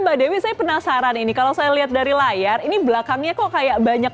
mbak dewi saya penasaran ini kalau saya lihat dari layar ini belakangnya kok kayak banyak